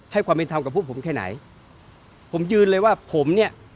ความเป็นธรรมกับพวกผมแค่ไหนผมยืนเลยว่าผมเนี่ย